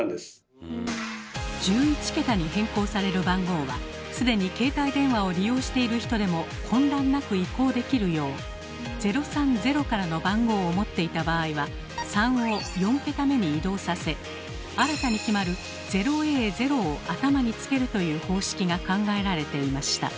１１桁に変更される番号は既に携帯電話を利用している人でも混乱なく移行できるよう「０３０」からの番号を持っていた場合は「３」を４桁目に移動させ新たに決まる「０ａ０」を頭につけるという方式が考えられていました。